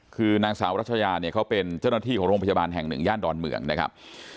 คือนางสาวรัชยาเนี่ยเขาเป็นเจ้าหน้าที่ของโรงพยาบาลแห่งหนึ่งย่านดอนเมืองนะครับ